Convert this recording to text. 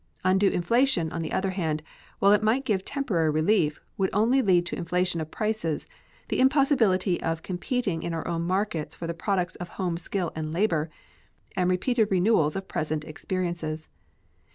Undue inflation, on the other hand, while it might give temporary relief, would only lead to inflation of prices, the impossibility of competing in our own markets for the products of home skill and labor, and repeated renewals of present experiences.